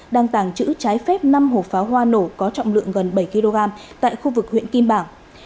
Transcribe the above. đang tàng trữ trái phép năm hộp pháo hoa nổ có trọng lượng gần bảy kg tại khu vực huyện kim bảng